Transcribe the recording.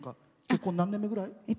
結婚何年目ぐらい？